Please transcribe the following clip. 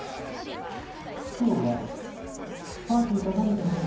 今日はパーティーか何かでございますか？